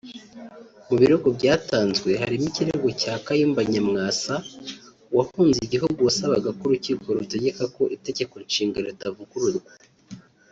Mu birego byatanzwe harimo ikirego cya Kayumba Nyamwasa wahunze igihugu wasabaga ko urukiko rutegeka ko Itegeko Nshinga ritavugururwa